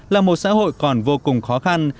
là một xã hội còn vô cùng khó khăn